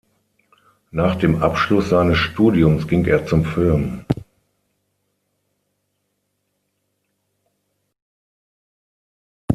Nach dem Abschluss seines Studiums ging er zum Film.